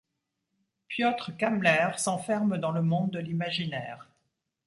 Piotr Kamler s’enferme dans le monde de l’imaginaire.